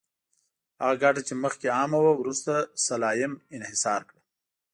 هغه ګټه چې مخکې عامه وه، وروسته سلایم انحصار کړه.